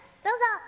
どうぞ。